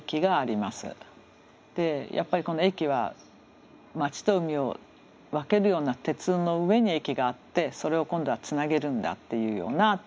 やっぱりこの駅は町と海を分けるような上に駅があってそれを今度はつなげるんだっていうような提案で。